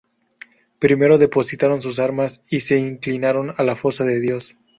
Primero depositaron sus armas y se inclinaron a la fosa de Dios.